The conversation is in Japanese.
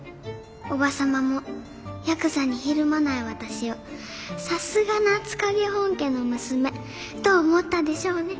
叔母様もヤクザにひるまない私を「さすが夏影本家の娘」と思ったでしょうね。